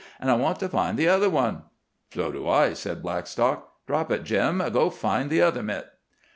"An' I want to find the other one." "So do I," said Blackstock. "Drop it, Jim. Go find the other mitt."